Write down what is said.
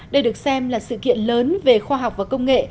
đây được xem là sự kiện lớn về khoa học và công nghệ